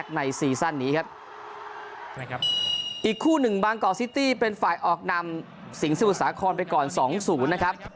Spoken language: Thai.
กรุงบางกอล์ซิตี้เป็นฝ่ายออกนำสิงห์สมุทรสาครไปก่อน๒๐นะครับ